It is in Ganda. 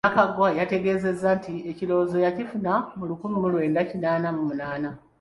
Omukyala Nakaggwa yategeezezza nti ekirowoozo yakifuna mu lukumi lwenda kinaana mu munaana.